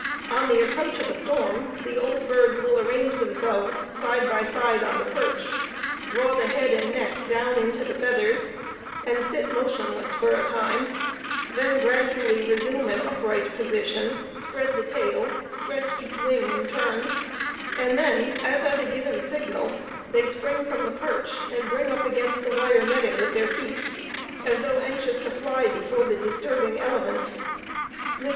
On the approach of a storm the old birds will arrange themselves side by side on the perch, draw the head and neck down into the feathers, and sit motionless for a time, then gradually resume an upright position, spread the tail, stretch each wing in turn, and then, as at a given signal, they spring from the perch and bring up against the wire netting with their feet as though anxious to fly before the disturbing elements. Mr.